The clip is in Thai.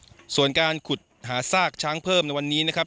ส่วนการขุดหาซากช้างเพิ่มในวันนี้นะครับ